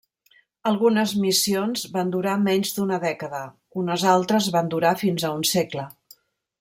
Algunes missions van durar menys d'una dècada, unes altres van durar fins a un segle.